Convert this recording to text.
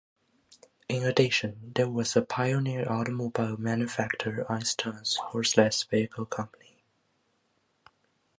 In addition, there was the pioneer automobile manufacturer Eisenhuth Horseless Vehicle Company.